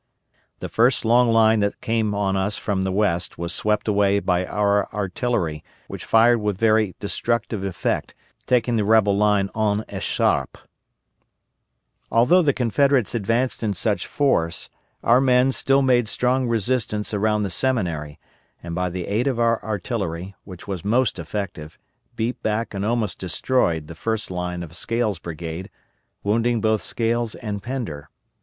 The first long line that came on us from the west was swept away by our artillery, which fired with very destructive effect, taking the rebel line en echarpe. Although the Confederates advanced in such force, our men still made strong resistance around the Seminary, and by the aid of our artillery, which was most effective, beat back and almost destroyed the first line of Scales' brigade, wounding both Scales and Pender.